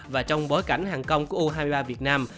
và trong bối cảnh hàng công của u hai mươi ba việt nam